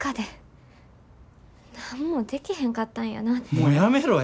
もうやめろや！